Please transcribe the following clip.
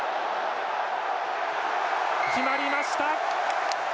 決まりました！